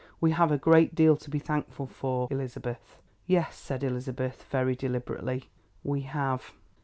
We have a great deal to be thankful for, Elizabeth." "Yes," said Elizabeth, very deliberately, "we have."